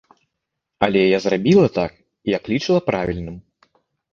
Але я зрабіла так, як лічыла правільным.